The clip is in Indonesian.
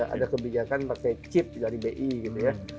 ada kebijakan pakai chip dari bi gitu ya